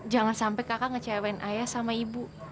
jangan sampai kakak ngecewain ayah sama ibu